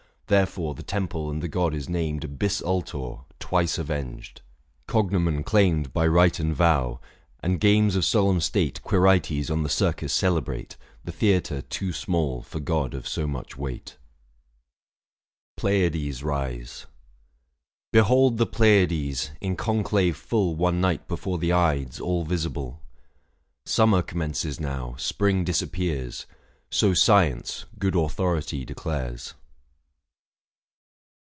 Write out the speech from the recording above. Therefore the temple and the god is named Bis Ultor, twice avenged. Cognomen claimed 675 By right and vow ; and games of solemn state Quirites on the Circus celebrate, The theatre too small for god of so much weight. Book V. THE FASTI. 165 PEID. ID. MAI. PLEIADES RISE. Behold the Pleiades, in conclave full One night before the Ides, all visible. Summer commences now, spring disappears, So science, good authority ! declares.